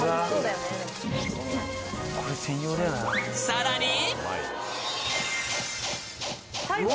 ［さらに］